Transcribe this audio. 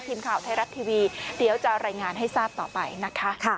ทีมข่าวไทยรัฐทีวีเดี๋ยวจะรายงานให้ทราบต่อไปนะคะ